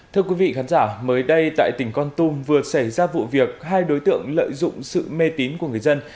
thưa quý vị khán giả mới đây tại tỉnh con tum vừa xảy ra vụ việc hai đối tượng lợi dụng sự mê tín của người dân